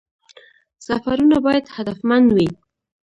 سفرونه باید هدفمند وي